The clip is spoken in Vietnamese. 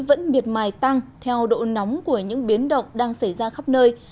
vẫn miệt mài tăng theo độ nóng của những biến động đang xảy ra khắp nơi